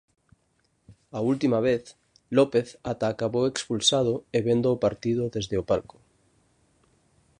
A última vez, López ata acabou expulsado e vendo o partido desde o palco.